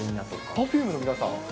Ｐｅｒｆｕｍｅの皆さん。